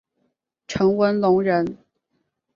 陈文龙人。